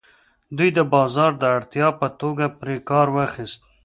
دوی د بازار د اړتیا په توګه پرې کار واخیست.